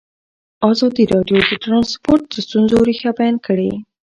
ازادي راډیو د ترانسپورټ د ستونزو رېښه بیان کړې.